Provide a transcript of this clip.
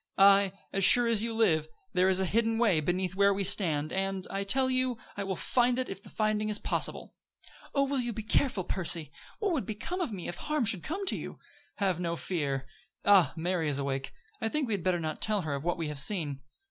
Aye, as sure as you live, there is a hidden way beneath where we stand, and, I tell you, I will find it if the finding is possible." "Oh, you will be careful, Percy! What would become of me if harm should come to you?" "Have no fear. Ah, Mary is awake. I think we had better not tell her of what we have seen."